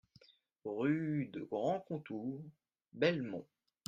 Rue de Grand Contour, Belmont